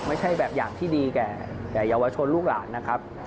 ไม่ใช่แบบอย่างที่ดีแก่เยาวชนลูกหลานนะครับ